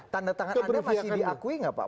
tanda tangan anda masih diakui nggak pak